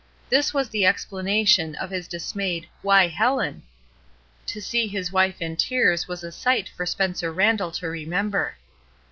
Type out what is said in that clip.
This was the explanation of his dismayed "Why, Helen!'* To see his wife in tears was a sight for Spencer Randall to remember.